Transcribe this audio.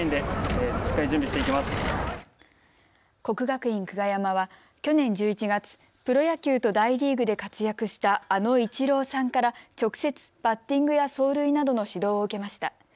国学院久我山は去年１１月、プロ野球と大リーグで活躍したあのイチローさんから直接、バッティングや走塁などの指導を受けました。